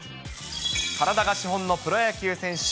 体が資本のプロ野球選手。